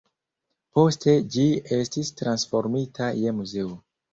Poste ĝi estis transformita je muzeo.